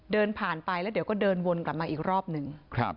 เดินผ่านไปแล้วเดี๋ยวก็เดินวนกลับมาอีกรอบหนึ่ง